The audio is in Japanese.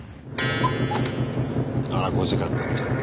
あら５時間たっちゃった。